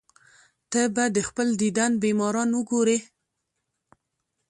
ته به د خپل دیدن بیماران وګورې.